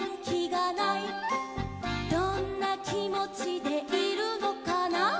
「どんなきもちでいるのかな」